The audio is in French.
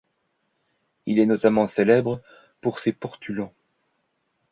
Il est notamment célèbre pour ses portulans.